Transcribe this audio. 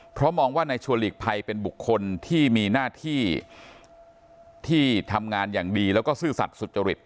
เพราะมองว่านายชัวร์หลีกภัยเป็นบุคคลที่มีหน้าที่ที่ทำงานอย่างดีแล้วก็ซื่อสัตว์สุจริต